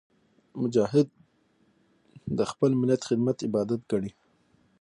مجاهد د خپل ملت خدمت عبادت ګڼي.